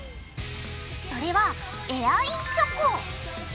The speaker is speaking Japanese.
それはエアインチョコ！